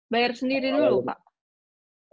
bayar sendiri dulu pak